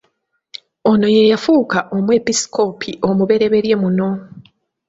Ono ye yafuuka Omwepiskopi omubereberye muno.